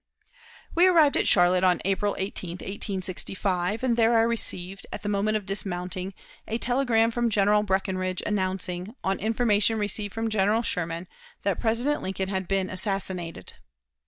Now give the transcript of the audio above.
We arrived at Charlotte on April 18, 1865, and I there received, at the moment of dismounting, a telegram from General Breckinridge announcing, on information received from General Sherman, that President Lincoln had been assassinated.